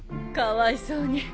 かわいそうに。